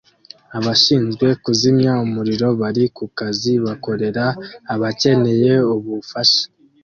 Abashinzwe kuzimya umuriro bari kukazi bakorera abakeneye ubufasha